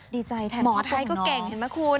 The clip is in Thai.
ดีใจแถมครอบครัวของน้องหมอไทยก็เก่งเห็นไหมคุณ